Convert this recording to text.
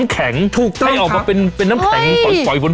คุณฮอบเจ็บเลย